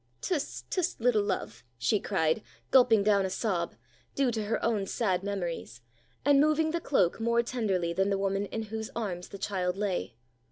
"Tst! tst! little love!" she cried, gulping down a sob, due to her own sad memories, and moving the cloak more tenderly than the woman in whose arms the child lay.